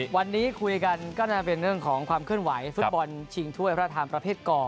วันนี้คุยกันก็น่าจะเป็นเรื่องของความเคลื่อนไหวฟุตบอลชิงถ้วยพระทานประเภทก่อ